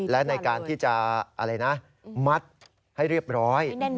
และในการที่จะมัดให้เรียบร้อย